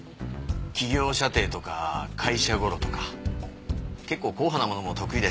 企業舎弟とか会社ゴロとか結構硬派なものも得意だし。